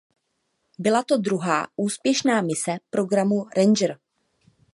Byla to druhá úspěšná mise programu Ranger.